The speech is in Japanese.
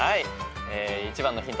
１番のヒント